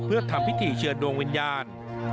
เพื่อทำพิธีเชิญดวงวิญญาณ